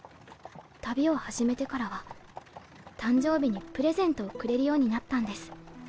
旅を始めてからは誕生日にプレゼントをくれるようになったんです。